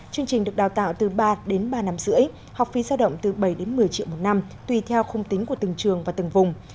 chương trình được đào tạo từ ba đến ba năm rưỡi học phí giao động từ bảy đến một mươi triệu một năm tùy theo khung tính của từng trường và từng vùng